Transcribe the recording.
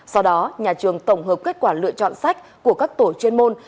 sau đó nhà trường tổng hợp kết quả lựa chọn sách của các tổ chuyên môn